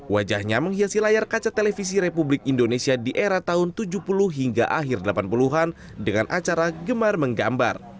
wajahnya menghiasi layar kaca televisi republik indonesia di era tahun tujuh puluh hingga akhir delapan puluh an dengan acara gemar menggambar